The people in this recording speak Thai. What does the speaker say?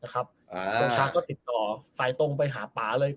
โซชาก็ติดต่อสายตรงไปหาป๊าเลย